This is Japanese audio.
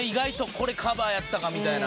これカバーやったかみたいな。